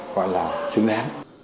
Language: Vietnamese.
gọi là xứng đáng